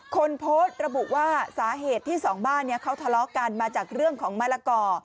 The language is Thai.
คนโพสต์ระบุว่าสาเหตุที่สองบ้านเขาทะเลาะกันมาจากเรื่องของมะละก่อ